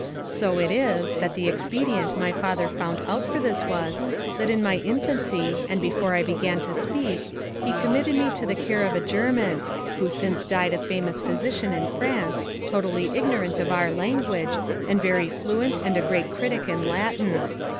So it is, that the expedient my father found out for this was, that in my infancy, and before I began to speak, he committed me to the care of a German, who since died a famous physician in France, totally ignorant of our language, and very fluent and a great critic in Latin.